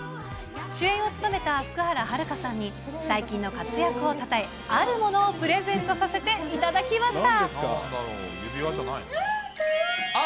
主演を務めた福原遥さんに、最近の活躍をたたえ、あるものをプレゼントさせていただきました。